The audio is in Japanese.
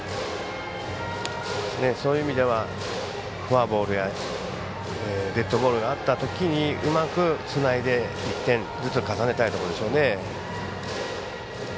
そういう意味ではフォアボールやデッドボールがあったときにうまくつないで１点ずつ重ねたいところでしょうね。